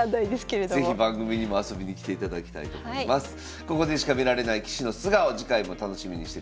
ここでしか見られない棋士の素顔次回も楽しみにしてください。